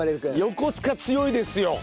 横須賀強いですよ。